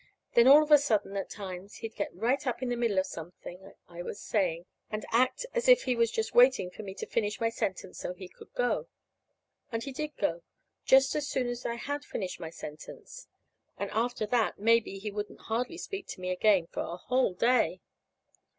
Then, all of a sudden, at times, he'd get right up in the middle of something I was saying and act as if he was just waiting for me to finish my sentence so he could go. And he did go, just as soon as I had finished my sentence. And after that, maybe, he wouldn't hardly speak to me again for a whole day.